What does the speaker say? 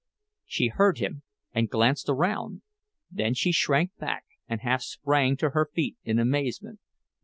She heard him, and glanced around; then she shrank back and half sprang to her feet in amazement.